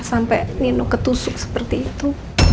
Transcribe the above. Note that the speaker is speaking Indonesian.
sampai nino ketusuk seperti itu